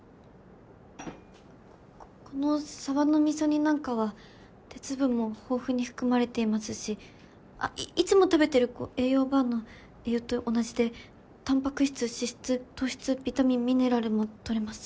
このサバの味噌煮なんかは鉄分も豊富に含まれていますしいつも食べてる栄養バーの理由と同じでタンパク質脂質糖質ビタミンミネラルも取れます。